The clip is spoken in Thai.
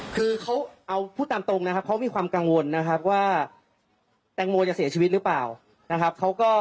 คือเขาเอาพูดตามตรงนะครับเขามีความกังวลนะครับว่าแตงโมจะเสียชีวิตหรือเปล่านะครับ